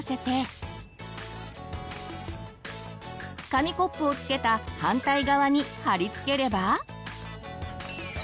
紙コップをつけた反対側に貼り付ければ。